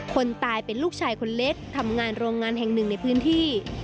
คนตายเป็นลูกชายคนเล็กทำงานโรงงานแห่งหนึ่งในพื้นที่